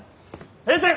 閉店！